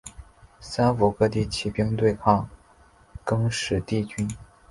三辅各地起兵对抗更始帝军。